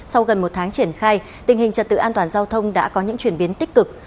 sau gần một tháng triển khai tình hình trật tự an toàn giao thông đã có những chuyển biến tích cực